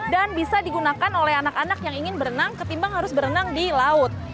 dan bisa digunakan oleh anak anak yang ingin berenang ketimbang harus berenang di laut